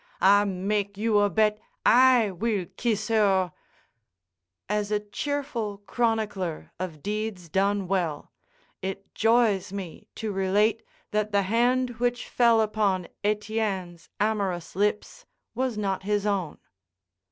"I make you a bet I will kees her—" As a cheerful chronicler of deeds done well, it joys me to relate that the hand which fell upon Etienne's amorous lips was not his own.